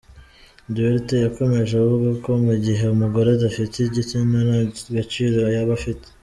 Duterte yakomeje avuga ko mu gihe umugore adafite igitsina nta gaciro yaba afite.